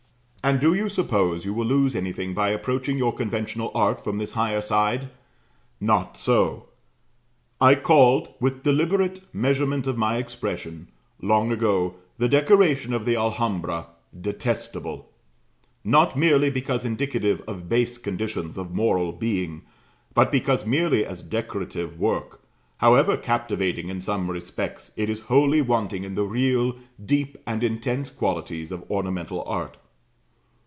And do you suppose you will lose anything by approaching your conventional art from this higher side? Not so. I called, with deliberate measurement of my expression, long ago, the decoration of the Alhambra "detestable," not merely because indicative of base conditions of moral being, but because merely as decorative work, however captivating in some respects, it is wholly wanting in the real, deep, and intense qualities of ornamental art.